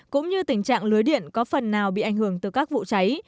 cũng như tình trạng lưới điện có phần nào bị ảnh hưởng từ các vụ cháy